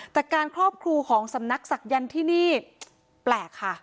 แต่การครอบครูของสำนักศักยันต์ที่นี่แปลกค่ะ